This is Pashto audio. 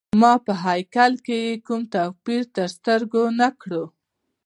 ما په هیکل کي یې کوم توپیر تر سترګو نه کړ.